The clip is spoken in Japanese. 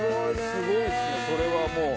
すごいですねそれはもう。